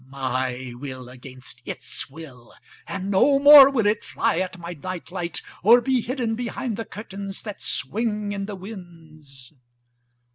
My will against its will, and no more will it fly at my night light or be hidden behind the curtains that swing in the winds.